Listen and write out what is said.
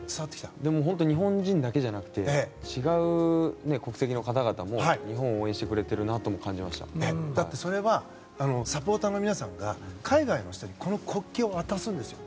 でも、本当日本人だけじゃなくて違う国籍の方々も日本を応援してくれてるなとそれはサポーターの皆さんが海外の人にこの国旗を渡すんですよ。